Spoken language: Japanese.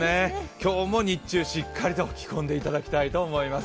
今日も日中しっかりと着込んでいただきたいと思います。